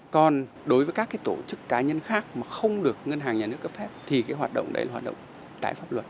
còn đối với các tổ chức cá nhân khác mà không được ngân hàng nhà nước cấp phép thì hoạt động đấy là hoạt động trái pháp luật